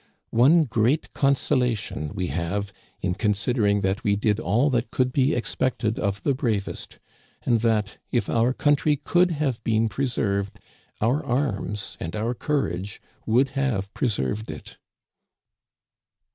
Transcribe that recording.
One great consolation we have in considering that we did all that could be expected of the bravest, and that, if our country could have been preserved, our arms and our courage would have preserved it."